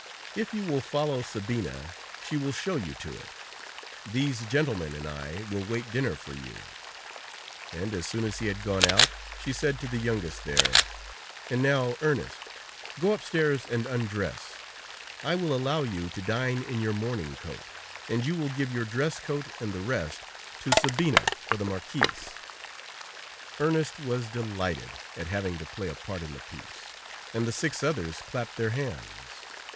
If you will follow Sabina, she will show you to it. These gentlemen and I will wait dinner for you." And as soon as he had gone out, she said to the youngest there: "And now, Ernest, go upstairs and undress; I will allow you to dine in your morning coat, and you will give your dress coat and the rest to Sabina, for the Marquis." Ernest was delighted at having to play a part in the piece, and the six others clapped their hands.